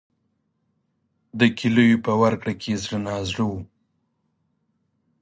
د کیلیو په ورکړه کې زړه نازړه و.